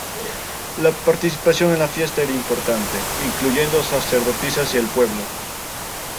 La participación en la fiesta era importante, incluyendo sacerdotisas y el pueblo.